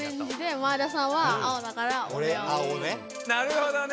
なるほどね！